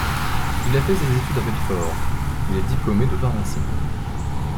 Il fait ses études à Belfort et est diplômé de pharmacie.